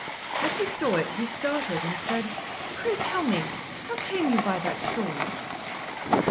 As he saw it, he started and said "Pray tell me, how came you by that sword?"